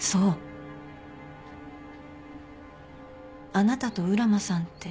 あなたと浦真さんって。